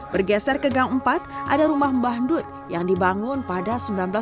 bergeser ke gang empat ada rumah mbah nut yang dibangun pada seribu sembilan ratus delapan puluh